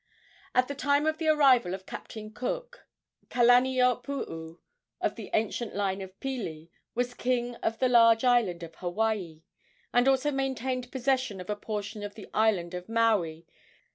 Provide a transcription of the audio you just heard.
At the time of the arrival of Captain Cook, Kalaniopuu, of the ancient line of Pili, was king of the large island of Hawaii, and also maintained possession of a portion of the island of Maui.